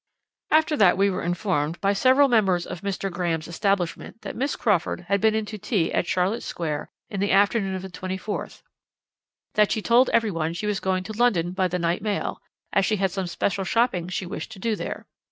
"After that we were informed by several members of Mr. Graham's establishment that Miss Crawford had been in to tea at Charlotte Square in the afternoon of the 24th, that she told every one she was going to London by the night mail, as she had some special shopping she wished to do there.